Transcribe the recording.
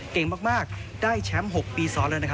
เก่งมากได้แชมป์๖ปีซ้อนแล้วนะครับ